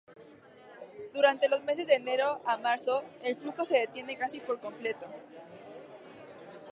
Durante los meses de enero a marzo, el flujo se detiene casi por completo.